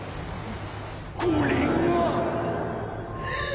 これが。